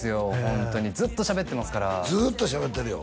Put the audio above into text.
ホントにずっと喋ってますからずーっと喋ってるよ